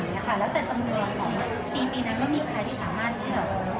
แล้วแต่จำนวนของทีมปีนั้นไม่มีใครที่สามารถที่จะ